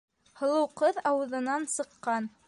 - Һылыу ҡыҙ ауыҙынан сыҡҡан